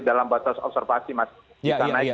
dalam batas observasi masih bisa naik